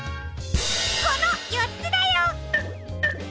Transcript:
このよっつだよ！